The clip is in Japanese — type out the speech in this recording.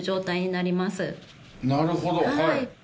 なるほど。